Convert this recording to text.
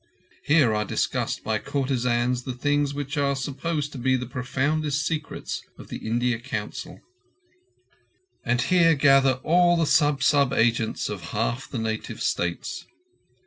Here are discussed by courtesans the things which are supposed to be profoundest secrets of the India Council; and here gather all the sub sub agents of half the Native States.